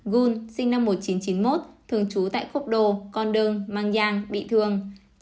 tám gun sinh năm một nghìn chín trăm chín mươi một thường trú tại cốc đô con đơn mang giang bị thương